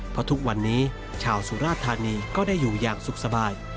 เพราะทุกวันนี้ชาวสุราธานีก็ได้อยู่อย่างสุขสบาย